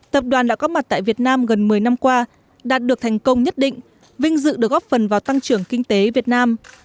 tập đoàn đã có mặt tại việt nam gần một mươi năm qua đạt được thành công nhất định vinh dự được góp phần vào tăng trưởng kinh tế việt nam